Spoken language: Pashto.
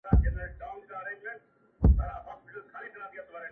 هر غاټول يې زما له وينو رنګ اخيستی؛